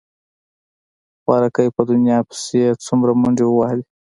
خواركى په دنيا پسې يې څومره منډې ووهلې.